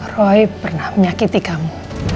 roy pernah menyakiti kamu